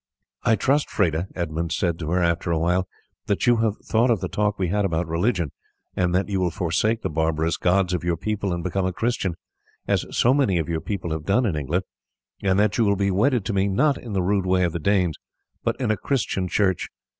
"I trust, Freda," Edmund said to her after a while, "that you have thought of the talk we had about religion, and that you will forsake the barbarous gods of your people and become a Christian, as so many of your people have done in England, and that you will be wedded to me not in the rude way of the Danes, but in a Christian church."